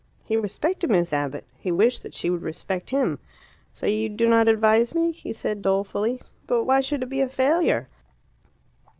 He respected Miss Abbott. He wished that she would respect him. "So you do not advise me?" he said dolefully. "But why should it be a failure?"